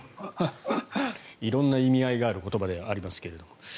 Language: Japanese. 色んな意味合いがある言葉ではありますけど。